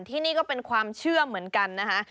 ที่นี่ก็เป็นความเชื่อเหมือนกันนะคะ